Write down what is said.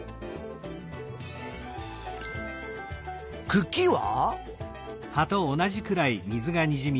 くきは？